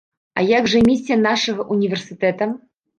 А як жа місія нашага ўніверсітэта?